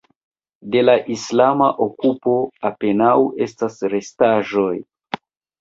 De la islama okupo apenaŭ estas restaĵoj.